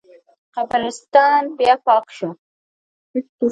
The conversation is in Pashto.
قبرستان بیا پاک شو.